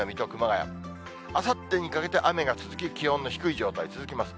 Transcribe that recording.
あさってにかけて雨が続き、気温の低い状態続きます。